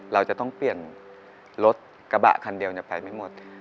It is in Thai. เราจะต้องเปลี่ยนรถกระบะคันเดียวไปไม่หมด